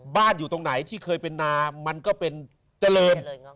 อยู่ตรงไหนที่เคยเป็นนามันก็เป็นเจริญ